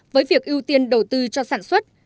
với việc ưu tiên đầu tư cho sản xuất